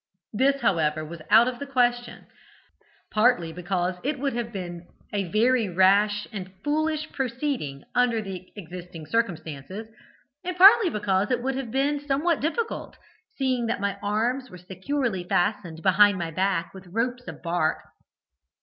This, however, was out of the question, partly because it would have been a very rash and foolish proceeding under existing circumstances, and partly because it would have been somewhat difficult, seeing that my arms were securely fastened behind my back with ropes of bark.